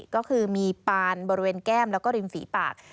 ก็คือมีปานบริเวณแก้มแล้วก็ริมฝีปาก